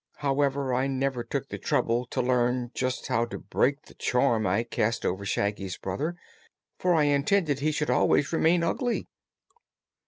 However, I never took the trouble to learn just how to break the charm I cast over Shaggy's brother, for I intended he should always remain ugly."